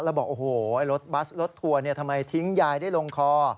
แล้วบอกโอ้โหรถบัสรถทัวร์ทำไมทิ้งยายได้ลงคอ